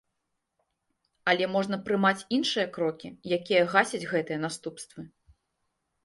Але можна прымаць іншыя крокі, якія гасяць гэтыя наступствы.